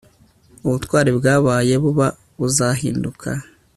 ubutwari bwabaye buba buzahinduka